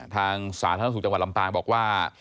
สาธารณสุขจังหวัดลำปางบอกว่า